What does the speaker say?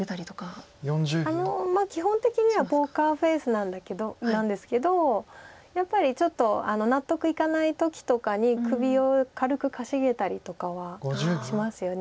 基本的にはポーカーフェースなんですけどやっぱりちょっと納得いかない時とかに首を軽くかしげたりとかはしますよね。